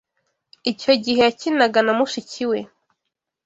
Icyo gihe yakinaga na mushiki we.